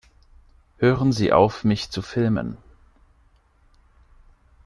Hören Sie auf, mich zu filmen!